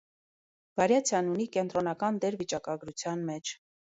Վարիացիան ունի կենտրոնական դեր վիճակագրության մեջ։